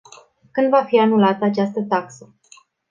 Când va fi anulată această taxă?